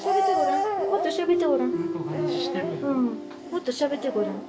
もっとしゃべってごらん。